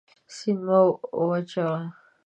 سیند مه وچوه.